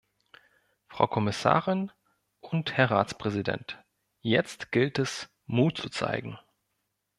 Frau Kommissarin und Herr Ratspräsident, jetzt gilt es, Mut zu zeigen.